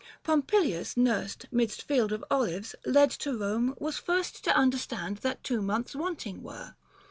Pompilius, nursed 'Midst fields of olives, led to Rome, was first To understand that two months wanting were.